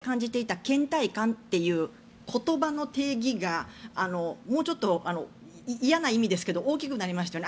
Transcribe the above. けん怠感ってやっぱりこれまで感じていたけん怠感という言葉の定義がもうちょっと嫌な意味ですけど大きくなりましたよね。